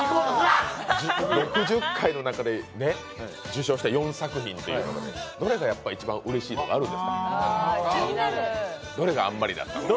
６０回の中で受賞した４作品の中でどれが一番うれしいとかあるんですか、どれがあんまりだったとか。